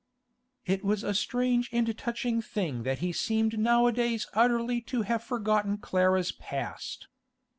It was a strange and touching thing that he seemed nowadays utterly to have forgotten Clara's past.